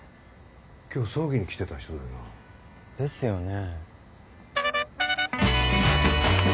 今日葬儀に来てた人だよな。ですよね。